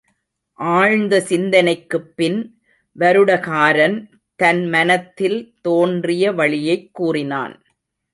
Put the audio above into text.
ஆழ்ந்த சிந்தனைக்குப்பின் வருடகாரன் தன் மனத்தில் தோன்றிய வழியைக் கூறினான்.